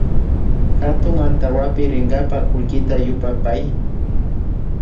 Hatun antawapi rinkapa kullkita yupapay